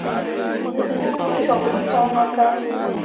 We uu pǝ cok tǝ voŋno ka.